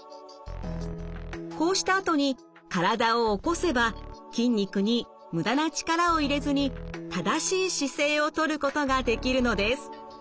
こうしたあとに体を起こせば筋肉に無駄な力を入れずに正しい姿勢をとることができるのです。